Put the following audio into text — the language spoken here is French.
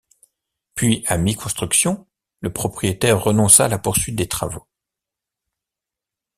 Puis à mi-construction, le propriétaire renonça à la poursuite des travaux.